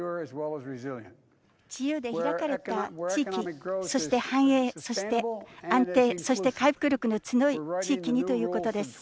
自由で開かれた地域そして繁栄、そして安定、回復力の強い地域にということです。